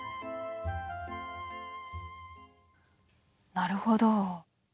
なるほど。